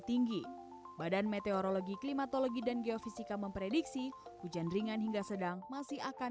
tinggi badan meteorologi klimatologi dan geofisika memprediksi hujan ringan hingga sedang masih akan